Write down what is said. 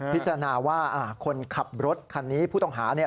พิจารณาว่าคนขับรถคันนี้ปุ๋ต่อหานี่